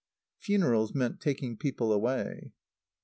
Funerals meant taking people away.